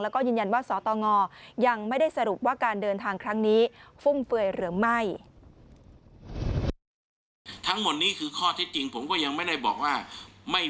แล้วก็ยืนยันว่าสตตรยังไม่ได้สรุปว่าการเดินทางครั้งนี้